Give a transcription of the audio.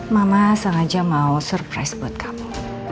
mama sengaja mau surprise buat kamu